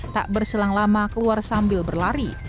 tak berselang lama keluar sambil berlari